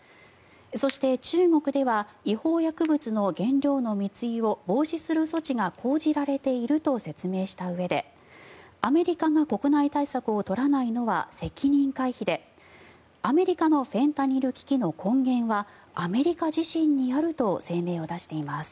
そして、中国では違法薬物の原料の密輸を防止する措置が講じられていると説明したうえでアメリカが国内対策を取らないのは責任回避でアメリカのフェンタニル危機の根源はアメリカ自身にあると声明を出しています。